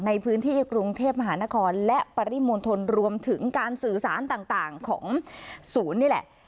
ในพื้นที่กรุงเทพมหานครและปริมณฑลรวมถึงการสื่อสารต่างของศูนย์นี่แหละ